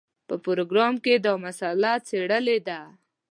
په پروګرام کې دا مسله څېړلې ده.